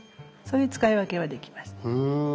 そういう使い分けはできますね。